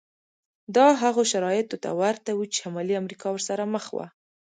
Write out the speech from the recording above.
دا هغو شرایطو ته ورته و چې شمالي امریکا ورسره مخ وه.